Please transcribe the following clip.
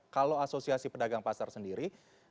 kalau asosiasi pedagang pasar sendiri